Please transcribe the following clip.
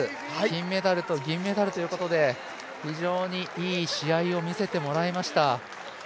金メダルと銀メダルということで非常にいい試合を見せてもらいました。